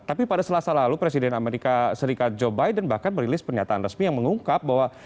tapi pada selasa lalu presiden amerika serikat joe biden bahkan merilis pernyataan resmi yang mengungkap bahwa